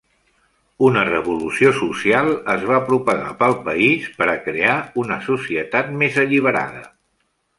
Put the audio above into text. Una revolució social es va propagar pel país per a crear una societat més alliberada.